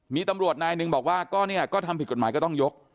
มีตำรวจนายหนึ่งบอกว่าก็เนี่ยก็ทำผิดกฎหมายก็ต้องยก